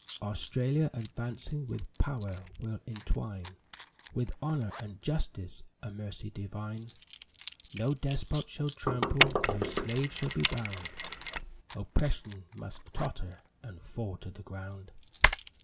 Australia, advancing with Power, will entwine With Honour and Justice a Mercy divine; No Despot shall trample no slave shall be bound Oppression must totter and fall to the ground.